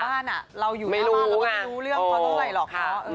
เหมือนกันหลังบ้านเราอยู่เมื่อบ้านเราไม่รู้เรื่องเขาเท่าไหร่หรอก